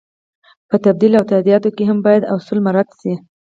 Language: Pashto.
په تبدیل او تادیاتو کې هم باید اصول مراعت شي.